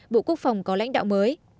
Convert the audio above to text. bộ quốc phòng có lãnh đạo mới